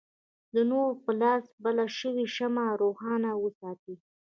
د نوري په لاس بله شوې شمعه روښانه وساتي.